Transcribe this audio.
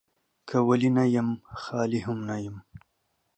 که ولي نه يم ، خالي هم نه يم.